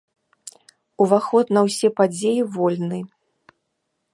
Уваход на ўсе падзеі вольны.